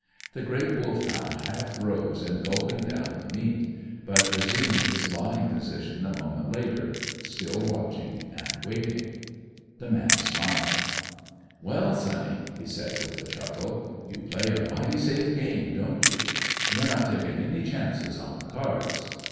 The great Wolfhound half rose in gulping down the meat, but resumed his lying position a moment later, still watching and waiting. The man smiled. "Well, sonny," he said, with a chuckle; "you play a mighty safe game, don't you? You're not takin' any chances on the cards.